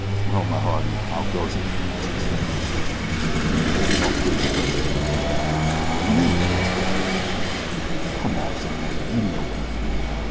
"Well, my hearty, how goes it?" asked the stranger. "You pulled it off pretty slick," said Billy. "What do you mean?" asked the other with a frown. "Come off," said Billy; "you know what I mean."